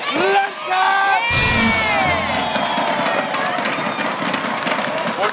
เล่นครับ